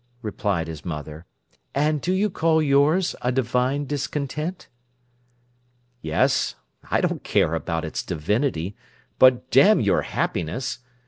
replied his mother. "And do you call yours a divine discontent?" "Yes. I don't care about its divinity. But damn your happiness!